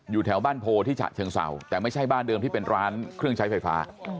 แถวบ้านโพที่ฉะเชิงเศร้าแต่ไม่ใช่บ้านเดิมที่เป็นร้านเครื่องใช้ไฟฟ้า